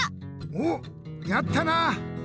おっやったな！